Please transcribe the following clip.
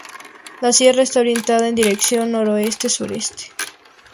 La sierra está orientada en dirección noroeste-sureste.